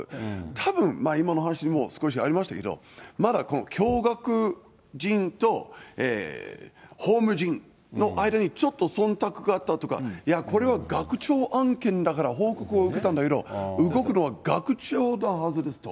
たぶん、今のお話にも少しありましたけど、まだ教学陣と法務陣の間にちょっとそんたくがあったっていうか、これは学長案件だから報告を受けたんだけど、動くのは学長のはずですと。